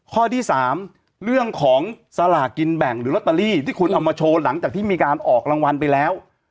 ข้อที่๓เรื่องของสลากกินแบ่งหรือลอตเตอรี่ที่คุณเอามาโชว์หลังจากที่มีการออกรางวัลไปแล้ว